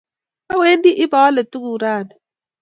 Awendi ip aale tuguk rani